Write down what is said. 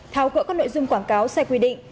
tháo cỡ các nội dung quảng cáo sai quy định